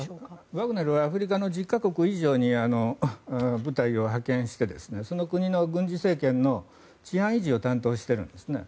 ワグネルはアフリカの１０か国以上に部隊を派遣してその国の軍事政権の治安維持を担当しているんですね。